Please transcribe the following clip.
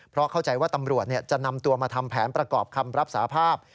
เพราะเข้าใจว่าตำรวจจะนำตัวมาทำแผนประกอบคำรับสาภาพ